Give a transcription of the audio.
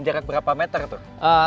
jarak berapa meter tuh